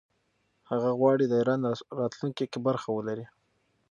هغه غواړي د ایران راتلونکې کې برخه ولري.